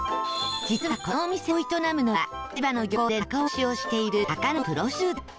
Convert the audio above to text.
実は、このお店を営むのは千葉の漁港で仲卸をしている魚のプロ集団